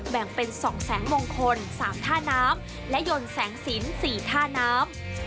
แบ่งเป็น๒แสงมงคล๓ท่าน้ำและยนต์แสงสิน๔ท่าน้ำ